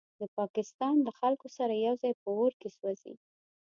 د پاکستان له خلکو سره یوځای په اور کې سوځي.